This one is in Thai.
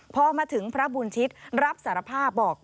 พอมาถึงพระบุญชิตรับสารภาพบอก